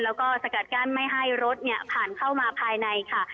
แล้วก็สกัดกั้นไม่ให้รถผ่านเข้ามาภายในค่ะ